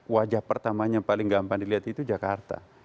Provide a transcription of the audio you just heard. wajah pertamanya paling gampang dilihat itu jakarta